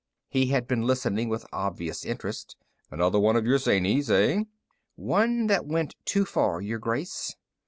He had been listening with obvious interest. "Another one of your zanies, eh?" "One that went too far, Your Grace.